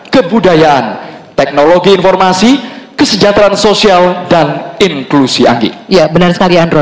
kebudayaan teknologi informasi kesejahteraan sosial dan inklusi anggi ya benar sekali andra